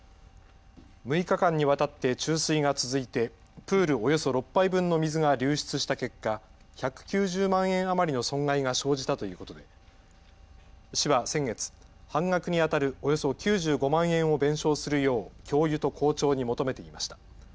６日間にわたって注水が続いてプールおよそ６杯分の水が流出した結果、１９０万円余りの損害が生じたということで市は先月、半額にあたるおよそ９５万円を弁償するよう教諭と校長に求めていました。